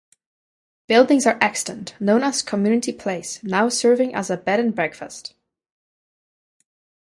Buildings are extant, known as "Community Place," now serving as a bed-and-breakfast.